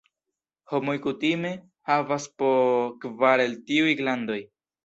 Homoj kutime havas po kvar el tiuj glandoj.